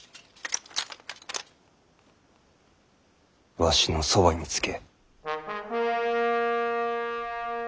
わしのそばにつけ。